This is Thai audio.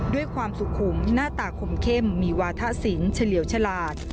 ด้วยความสุขุมหน้าตาคมเข้มมีวาทะสินเฉลี่ยวฉลาด